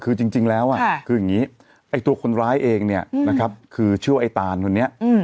คือจริงแล้วคืออย่างนี้ไอ้ตัวคนร้ายเองเนี่ยนะครับคือชื่อไอ้ตานคนนี้